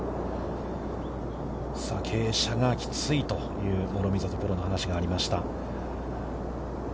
さあ傾斜がきついという諸見里プロの話がありました。